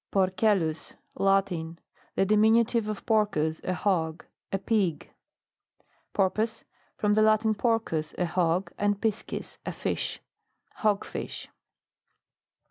PORCELLUS. Latin. The diminutive of porous, a hog. A pig. PORPOISE. From the Latin, porous, a hog, and piscis, a fish. Hog fish.